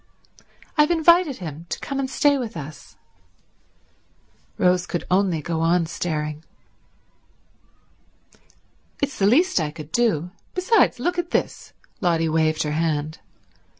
"I've invited him to come and stay with us." Rose could only go on staring. "It's the least I could do. Besides—look at this." Lotty waived her hand.